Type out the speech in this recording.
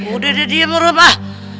udah udah diem rumah